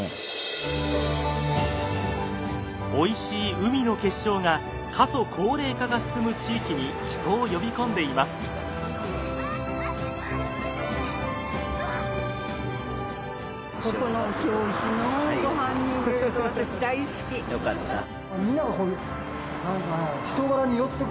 おいしい海の結晶が過疎高齢化が進む地域に人を呼び込んでいます。よかった。